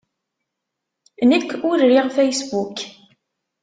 Nekk ur riɣ Facebook.